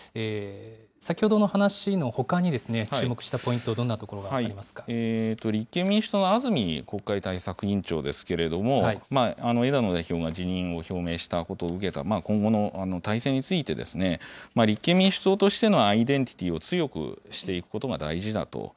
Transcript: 先ほどの話のほかに注目したポイ立憲民主党の安住国会対策委員長ですけれども、枝野代表が辞任を表明したことを受けた、今後の体制についてですね、立憲民主党としてのアイデンティティーを強くしていくことが大事だと。